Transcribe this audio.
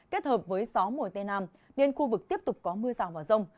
kết hợp với gió mùa tây nam nên khu vực tiếp tục có mưa rào và rông